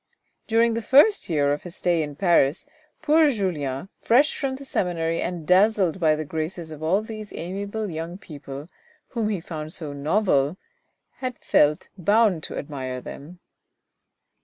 During the first year of his stay in Paris poor Julien, fresh from the seminary and dazzled by the graces of all these amiable young people, whom he found so novel, had felt bound to admire them.